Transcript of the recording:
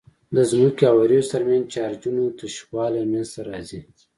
د ځمکې او وريځو ترمنځ چارجونو تشوالی منځته راځي.